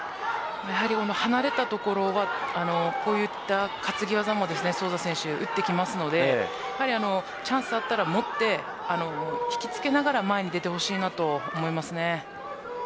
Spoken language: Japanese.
離れたところはこういった担ぎ技もソウザ選手は打ってきますのでチャンスがあったら持って引き付けながら前に出てほしいと思います。